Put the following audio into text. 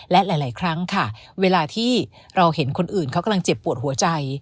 และหลายครั้งค่ะเวลาที่เราเห็นคนอื่นเขากำลังเจ็บปวดหัวใจ